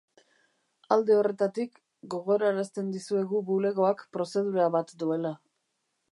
Alde horretatik, gogorarazten dizuegu bulegoak prozedura bat duela.